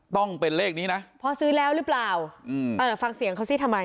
ต้องเป็นเลขนี้นะเพราะซื้อแล้วหรือเปล่าอืมเออเดี๋ยวฟังเสียงเขาสิทำไม